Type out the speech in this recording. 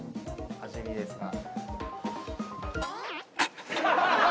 味見ですが。